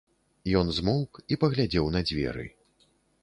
Ён змоўк і паглядзеў на дзверы.